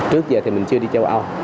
trước giờ thì mình chưa đi châu âu